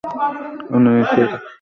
আপনি নিশ্চিত এটা গুরুতর কিছু নয়?